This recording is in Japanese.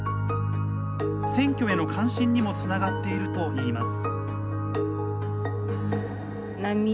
選挙への関心にもつながっているといいます。